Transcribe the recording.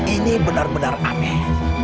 ini benar benar ameh